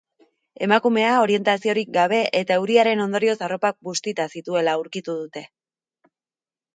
Emakumea orientaziorik gabe eta euriaren ondorioz arropak bustita zituela aurkitu dute.